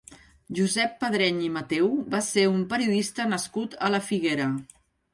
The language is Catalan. Josep Pedreny i Mateu va ser un periodista nascut a la Figuera.